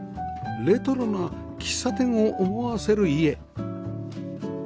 レトロな喫茶店を思わせる家